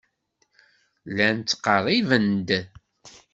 Llan ttqerriben-d.